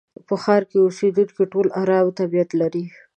په ښار کې اوسېدونکي ټول ارامه طبيعت لري.